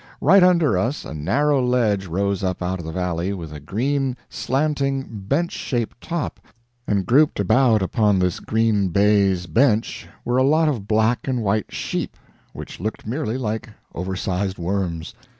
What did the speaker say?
Right under us a narrow ledge rose up out of the valley, with a green, slanting, bench shaped top, and grouped about upon this green baize bench were a lot of black and white sheep which looked merely like oversized worms.